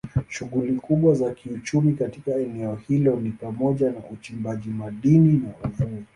Shughuli kubwa za kiuchumi katika eneo hilo ni pamoja na uchimbaji madini na uvuvi.